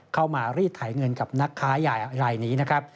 เข้ามารีดถ่ายเงินกับนักค้าอย่างไรนี้นะครับ